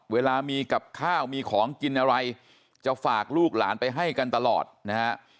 เวลามีกับข้าวมีของกินอะไรจะฝากลูกหลานไปให้กันตลอดนะฮะ